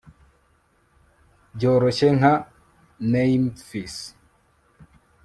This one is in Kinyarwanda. Byoroshye nka nymphs